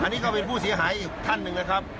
อันนี้ก็เป็นผู้เสียหายอีกท่านหนึ่งนะครับ